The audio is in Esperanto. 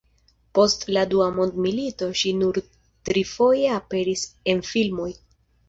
Post la dua mondmilito ŝi nur trifoje aperis en filmoj.